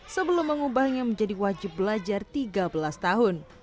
sebelum mengubahnya menjadi wajib belajar tiga belas tahun